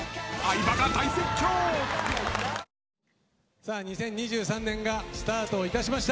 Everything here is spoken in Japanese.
さあ、２０２３年がスタートしました。